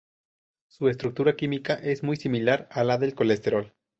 Su estructura química es muy similar a la del colesterol.